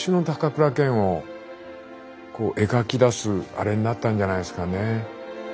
あれになったんじゃないすかね。